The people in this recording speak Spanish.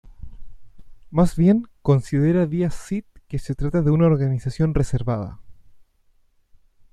Más bien, considera Díaz Cid que se trata de una organización reservada.